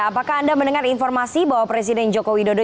apakah anda mendengar informasi bahwa presiden joko widodo